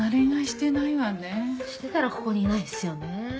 してたらここにいないですよね。